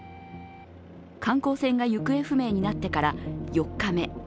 観光船が行方不明になってから４日目。